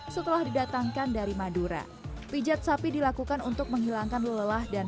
setelah didatangkan dari madura pijat sapi dilakukan untuk menghilangkan lelah dan